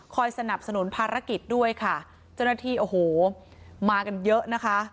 คอยสนับสนุนภารกิจด้วยค่ะจนที่มากันเยอะนะคะ